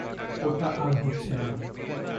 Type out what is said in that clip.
ওটা আর হচ্ছে না।